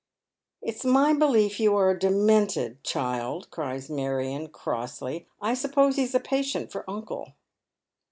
" It's my belief you'are demented, child," cries Marion, crossly. *I suppose he's a patient for uncle."